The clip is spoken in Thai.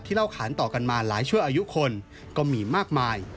เล่าขานต่อกันมาหลายชั่วอายุคนก็มีมากมาย